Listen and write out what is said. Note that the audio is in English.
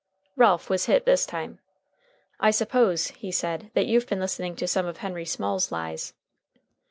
Ralph was hit this time. "I suppose," he said, "that you've been listening to some of Henry Small's lies."